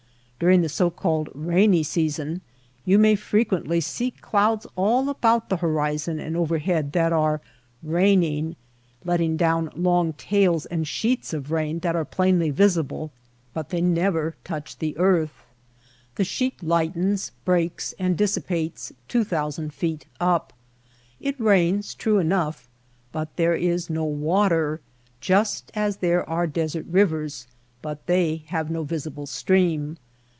During the so called ^^ rainy season " you may frequently see clouds all about the horizon and overhead that are ^^ raining'^ — letting down long tails and sheets of rain that are plainly visible; but they never touch the earth. The sheet lightens, breaks, and dissi pates two thousand feet up. It rains, true enough, but there is no water, just as there are desert rivers, but they have no visible stream.